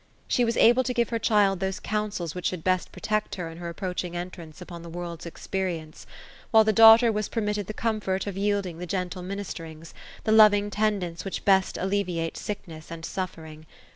She was able to give her child those counsels which should best protect her in her approaching entrance upon the world's experience ; while the daughter was permitted the comfort of yielding the gentle ministerings — the loving tendance which best alleviate sick ness and suffering.